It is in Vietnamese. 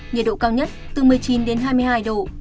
nhiệt độ cao nhất từ một mươi chín đến hai mươi hai độ